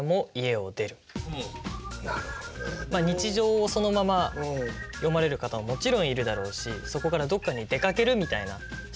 日常をそのまま詠まれる方ももちろんいるだろうしそこからどっかに出かけるみたいなストーリーもあるだろうし。